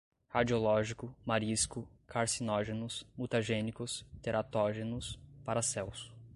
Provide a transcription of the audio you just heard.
radiológico, marisco, carcinógenos, mutagênicos, teratógenos, Paracelso